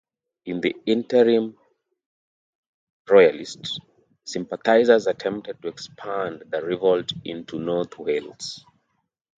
In the interim Royalist sympathisers attempted to expand the revolt into North Wales.